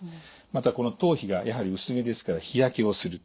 またこの頭皮がやはり薄毛ですから日焼けをする。